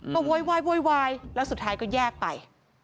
ก็โวยวายโวยวายแล้วสุดท้ายก็แยกไป